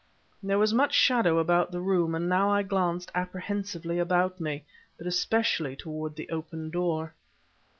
There was much shadow about the room; and now I glanced apprehensively about me, but especially toward the open door.